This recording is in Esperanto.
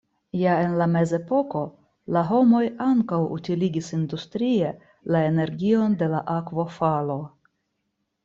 Ja en la mezepoko la homoj ankaŭ utiligis industrie la energion de la akvofalo.